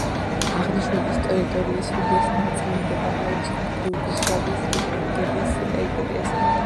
აღნიშნული ტერიტორიის უდიდესი ნაწილი მდებარეობს ყოფილი იუგოსლავიის რესპუბლიკების ტერიტორიაზე.